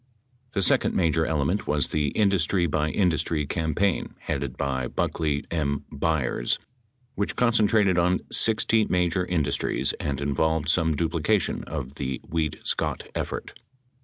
The second major element was the industry by industry campaign headed by Buckley M. Byers which concentrated on 60 major in dustries and involved some duplication of the Weed Scott effort.